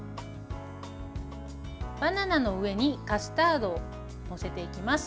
バナナの上にカスタードを載せていきます。